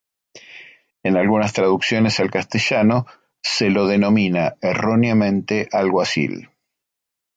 En algunas traducciones al castellano se lo denomina erróneamente alguacil.